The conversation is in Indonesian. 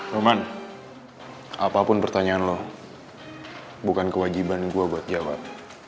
nyoman apapun pertanyaan lo bukan kewajiban gue buat jawab